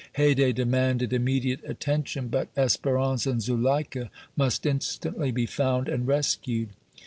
Haydée demanded immediate attention, but Espérance and Zuleika must instantly be found and rescued.